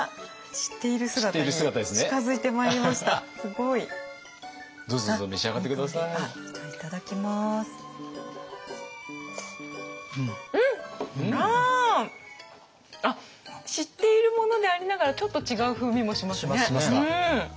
知っているものでありながらちょっと違う風味もしますね。